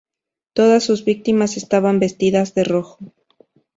Todas sus víctimas estaban vestidas de rojo.